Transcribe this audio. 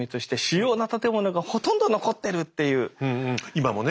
今もね。